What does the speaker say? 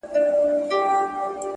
مثبت فکر انسان ځواکمنوي.